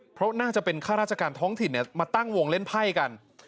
เพราะน่าจะเป็นข้าราชการท้องถิ่นมาตั้งวงเล่นไพ่กัน